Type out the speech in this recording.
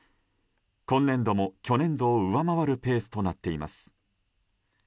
今年度も去年度を上回るペースとなっています。